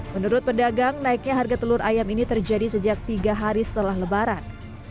menurut pedagang naiknya harga telur ayam ini terjadi sejak tiga hari setelah lebaran